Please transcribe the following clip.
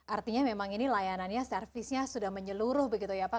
artinya memang ini layanannya servisnya sudah menyeluruh begitu ya pak